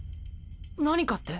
何かって？